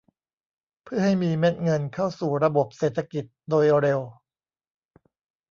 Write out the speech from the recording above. เพื่อให้มีเม็ดเงินเข้าสู่ระบบเศรษฐกิจโดยเร็ว